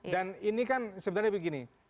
dan ini kan sebenarnya begini